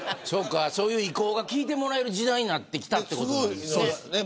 そういう意向が聞いてもらえる時代になってきたんですね。